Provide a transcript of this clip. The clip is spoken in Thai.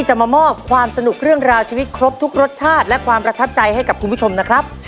จะมามอบความสนุกเรื่องราวชีวิตครบทุกรสชาติและความประทับใจให้กับคุณผู้ชมนะครับ